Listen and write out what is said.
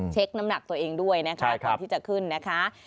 น้ำหนักตัวเองด้วยนะคะก่อนที่จะขึ้นนะคะ